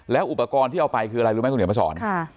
อุปกรณ์ที่เอาไปคืออะไรรู้ไหมคุณเดี๋ยวมาสอน